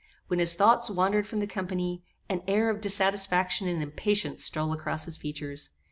When his thoughts wandered from the company, an air of dissatisfaction and impatience stole across his features.